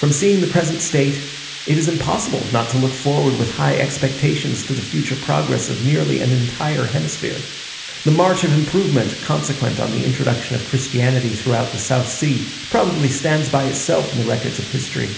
From seeing the present state, it is impossible not to look forward with high expectations to the future progress of nearly an entire hemisphere. The march of improvement, consequent on the introduction of Christianity throughout the South Sea, probably stands by itself in the records of history.